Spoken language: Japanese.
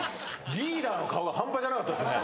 リーダーの顔が半端じゃなかったですね。